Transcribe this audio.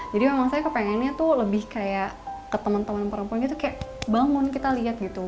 jadi memang saya kepengennya tuh lebih kayak ke temen temen perempuan gitu kayak bangun kita liat gitu